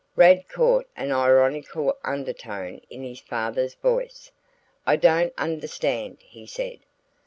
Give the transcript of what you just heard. Rad caught an ironical undertone in his father's voice. "I don't understand," he said.